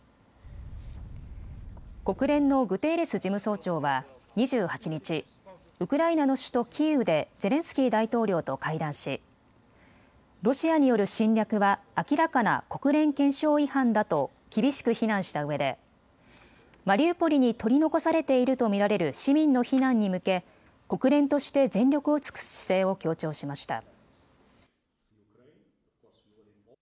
国連のグテーレス事務総長は２８日、ウクライナの首都キーウでゼレンスキー大統領と会談しロシアによる侵略は明らかな国連憲章違反だと厳しく非難したうえでマリウポリに取り残されていると見られる市民の避難に向け国連として全力を尽くす姿勢を強調しました。